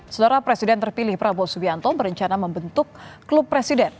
saudara presiden terpilih prabowo subianto berencana membentuk klub presiden